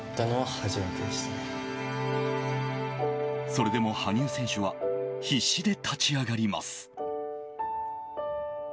それでも羽生選手は必死で立ち上がります。